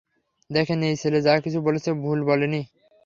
দেখেন, এই ছেলে যা কিছু বলেছে ভুল বলে নি।